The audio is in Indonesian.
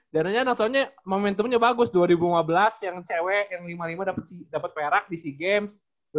jarang jarang soalnya momentumnya bagus dua ribu lima belas yang cewe yang lima puluh lima dapet perak di sea games